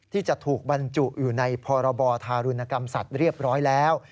ที่จะถูกบรรจุอยู่ในพรบธารุณกรรมสัตว์เรียบร้อยแล้ว